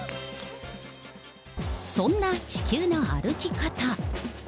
そんな地球の歩き方。